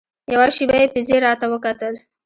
يوه شېبه يې په ځير راته وکتل.